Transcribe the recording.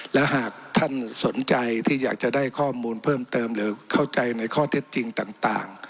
และหากท่านสนใจที่อยากจะได้ข้อมูลเพิ่มเติมหรือเข้าใจในข้อเท็จจริงต่าง